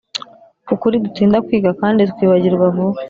ukuri dutinda kwiga kandi twibagirwa vuba